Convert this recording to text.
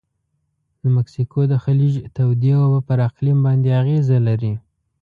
د مکسیکو د خلیج تودې اوبه پر اقلیم باندې اغیزه لري.